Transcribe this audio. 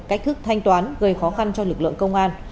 cách thức thanh toán gây khó khăn cho lực lượng công an